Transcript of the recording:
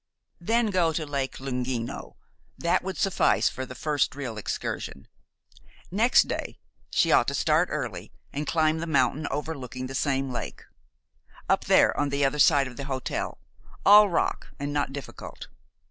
Then go to Lake Lunghino, that would suffice for the first real excursion. Next day, she ought to start early, and climb the mountain overlooking that same lake, up there, on the other side of the hotel, all rock and not difficult.